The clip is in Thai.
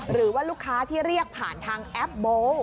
หรือว่าลูกค้าที่เรียกผ่านทางแอปโบ๊